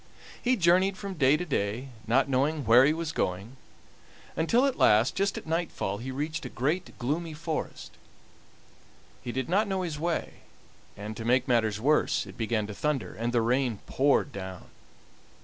He journeyed from day to day, not knowing where he was going, until at last, just at nightfall, he reached a great, gloomy forest. He did not know his way, and, to make matters worse, it began to thunder, and the rain poured down.